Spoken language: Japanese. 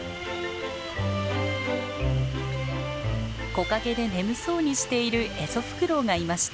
木陰で眠そうにしているエゾフクロウがいました。